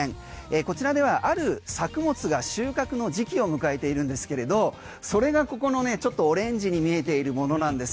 こちらではある作物が収穫の時期を迎えているんですけれどそれがここのちょっとオレンジに見えているものなんです。